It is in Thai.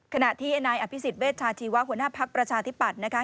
ขณะที่นายอภิษฎเวชาชีวะหัวหน้าภักดิ์ประชาธิปัตย์นะคะ